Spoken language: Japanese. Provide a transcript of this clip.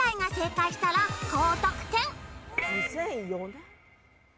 ２００４年？